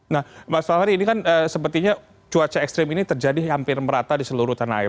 nah mas fahri ini kan sepertinya cuaca ekstrim ini terjadi hampir merata di seluruh tanah air